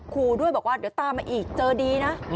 ครูด้วยบอกว่าเดี๋ยวตามมาอีกเจอดีนะ